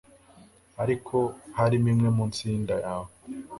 ariko hariho imwe munsi yinda yawe